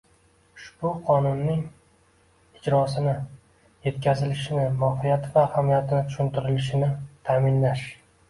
Ushbu Qonunning ijrosini, yetkazilishini, mohiyati va ahamiyati tushuntirilishini ta’minlash